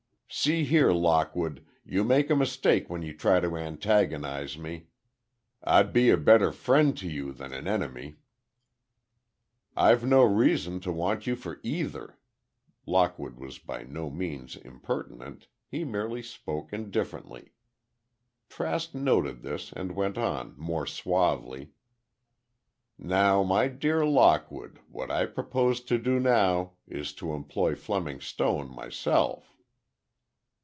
"See here, Lockwood, you make a mistake when you try to antagonize me. I'd be a better friend to you than an enemy." "I've no reason to want you for either." Lockwood was by no means impertinent, he merely spoke indifferently. Trask noted this, and went on, more suavely: "Now, my dear Lockwood, what I propose to do now, is to employ Fleming Stone myself."